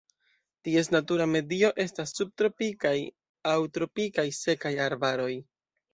Ties natura medio estas subtropikaj aŭ tropikaj sekaj arbaroj.